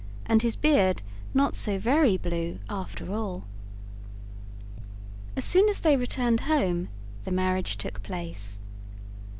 And his beard not so very blue after all. As soon as they returned home, the marriage took place.